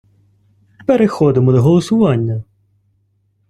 Переходимо до голосування.